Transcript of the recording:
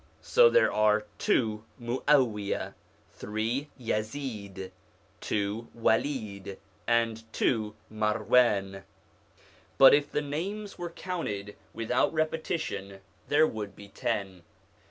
So there are two Mu'awia, three Yazid, two Walid, and two Marwan; but if the names were counted without repetition there would be ten.